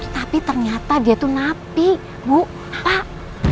tapi ternyata dia tuh nafi bu pak